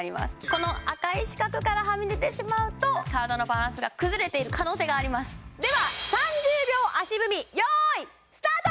この赤い四角からはみ出てしまうと体のバランスが崩れている可能性がありますでは３０秒足踏み用意スタート